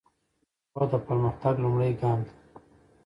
پوهه د پرمختګ لومړی ګام ده.